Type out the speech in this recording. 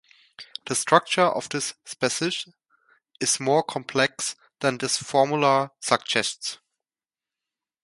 The structure of this species is more complex than this formula suggests.